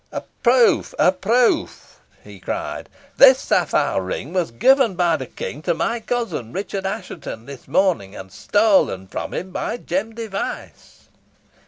"A proof! a proof!" he cried. "This sapphire ring was given by the King to my cousin, Richard Assheton, this morning, and stolen from him by Jem Device."